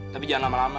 tapi jangan lama lama